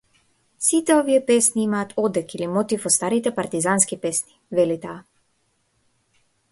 Сите овие песни имаат одек или мотиви од старите партизански песни, вели таа.